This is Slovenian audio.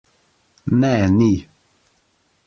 Ne, ni.